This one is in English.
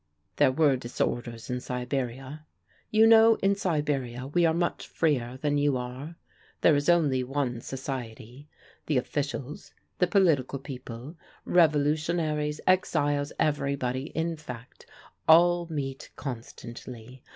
"There were disorders in Siberia: you know in Siberia we are much freer than you are. There is only one society. The officials, the political people, revolutionaries, exiles, everybody, in fact, all meet constantly.